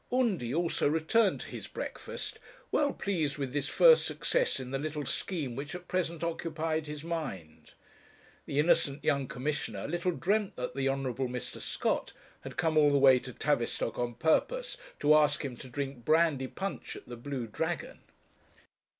Undy also returned to his breakfast, well pleased with this first success in the little scheme which at present occupied his mind. The innocent young Commissioner little dreamt that the Honourable Mr. Scott had come all the way to Tavistock on purpose to ask him to drink brandy punch at the Blue Dragon!